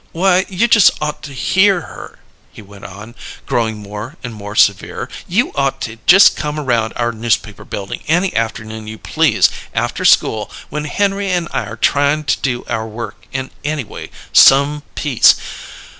Why, you just ought to hear her," he went on, growing more and more severe. "You ought to just come around our Newspaper Building any afternoon you please, after school, when Henry and I are tryin' to do our work in anyway some peace.